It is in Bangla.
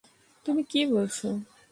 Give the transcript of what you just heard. তুমি কি বলছ?